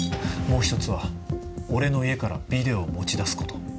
もう１つは俺の家からビデオを持ち出すこと。